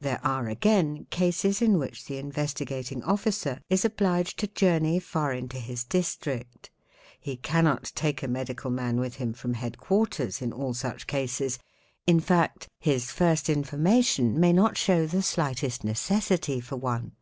There are again cases in which the Investigating Officer is obliged to journey far into his district. He cannot take a medical man with him from head quarters in all such cases, in fact his first information may not show the slightest necessity for one.